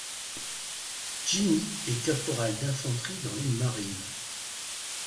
Jimmy est caporal d'infanterie dans les Marines.